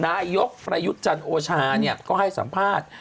นายกประยุทธ์จันทร์โอชาก็ให้สัมภาษณ์